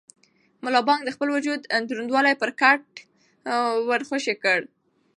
ملا بانګ د خپل وجود دروندوالی پر کټ ور خوشې کړ.